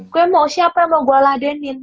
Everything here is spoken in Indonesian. gue mau siapa yang mau gue ladenin